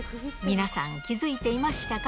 皆さん気付いていましたか？